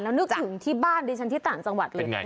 แล้วนึกถึงที่บ้านเนี่ยชั้นที่ต่านสังวัติเลย